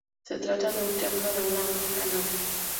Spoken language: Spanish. Se trata de un templo de una única nave.